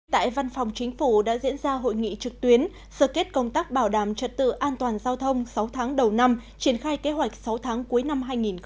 tại văn phòng chính phủ đã diễn ra hội nghị trực tuyến sở kết công tác bảo đảm trật tự an toàn giao thông sáu tháng đầu năm triển khai kế hoạch sáu tháng cuối năm hai nghìn hai mươi